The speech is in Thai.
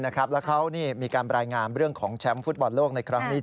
แล้วเขามีการรายงานเรื่องของแชมป์ฟุตบอลโลกในครั้งนี้